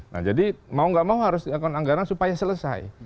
nah jadi mau gak mau harus dilakukan anggaran supaya selesai